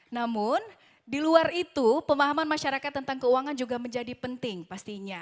namun di luar itu pemahaman masyarakat tentang keuangan juga menjadi penting pastinya